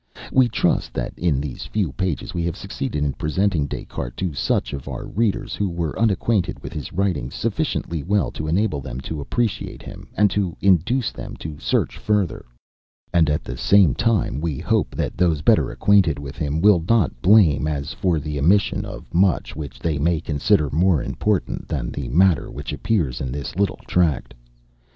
We trust that in these few pages we have succeeded in presenting Des Cartes, to such of our readers who were unacquainted with his writings, sufficiently well to enable them to appreciate him, and to induce them to search further; and at the same time we hope that those better acquainted with him will not blame as for the omission of much which they may consider more important than the matter which appears in this little tract.